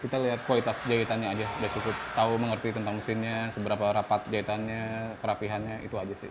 kita lihat kualitas jahitannya aja udah cukup tahu mengerti tentang mesinnya seberapa rapat jahitannya kerapihannya itu aja sih